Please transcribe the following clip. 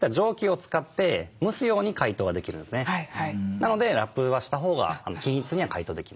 なのでラップはしたほうが均一には解凍できますね。